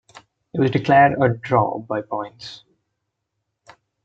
It was declared a draw by points.